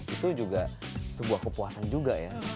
itu juga sebuah kepuasan juga ya